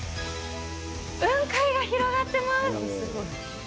雲海が広がってます。